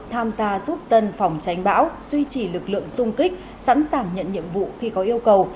tham gia giúp dân phòng tránh bão duy trì lực lượng sung kích sẵn sàng nhận nhiệm vụ khi có yêu cầu